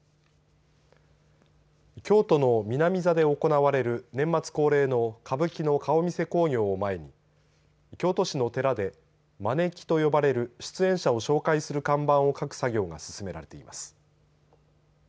京都の南座で行われる年末恒例の歌舞伎の顔見世興行を前に京都市の寺でまねきと呼ばれる出演者を紹介する看板を書く作業が進められています。